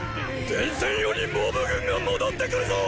前線より蒙武軍が戻ってくるぞォ！